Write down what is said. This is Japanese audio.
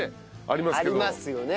ありますよね。